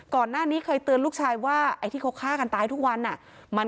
ก่อนหน้านี้เคยเตือนลูกชายว่า